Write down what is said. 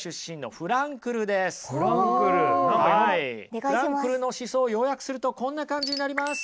フランクルの思想を要約するとこんな感じになります。